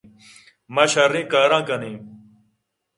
ما شریں کاراں کن ایں۔